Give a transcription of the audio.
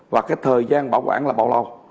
và cái thời gian bảo quản là bảo lâu